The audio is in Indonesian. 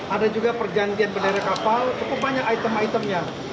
ada juga perjanjian bendera kapal cukup banyak item itemnya